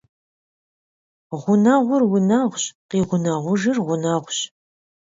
Гъунэгъур унэгъущ, къигъунэгъужыр гъунэгъущ.